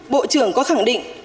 bộ trưởng có khẳng định